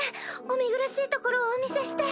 お見苦しいところをお見せして。